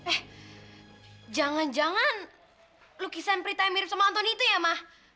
eh jangan jangan lukisan prita yang mirip sama antoni itu ya mah